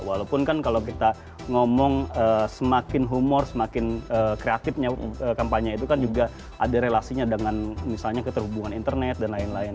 walaupun kan kalau kita ngomong semakin humor semakin kreatifnya kampanye itu kan juga ada relasinya dengan misalnya keterhubungan internet dan lain lain